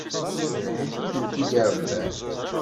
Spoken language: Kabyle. D lḥif i ten-i-d-irebban.